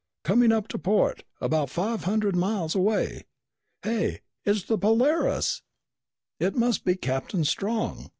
"Coming up to port. About five hundred miles away. Hey! It's the Polaris!" "It must be Captain Strong!"